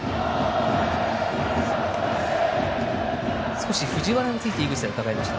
少し藤原について伺いました。